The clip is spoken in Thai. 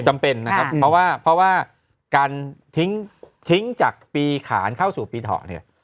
จำเป็นนะครับเพราะว่าเพราะว่าการทิ้งจากปีขานเข้าสู่ปีเถาะเนี่ย